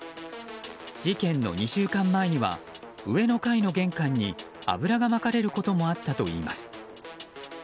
事件の２週間前には上の階の玄関に油がまかれることもあったといいます。